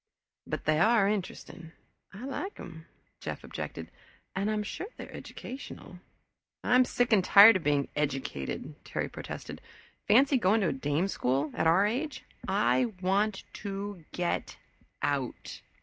"But they are interesting I like them," Jeff objected, "and I'm sure they are educational." "I'm sick and tired of being educated," Terry protested. "Fancy going to a dame school at our age. I want to Get Out!"